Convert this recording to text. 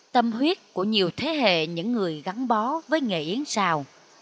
tâm huyết của nhiều thế hệ những người gắn bó với nghề yến xào